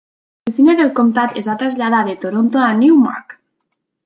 L'oficina del comtat es va traslladar de Toronto a Newmarket.